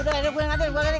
udah gue yang ngajarin